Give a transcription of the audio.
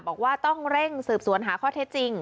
บอกว่าต้องเร่งสืบสวนหาข้อเท็จจริง